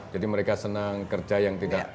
jadi mereka senang kerja yang tidak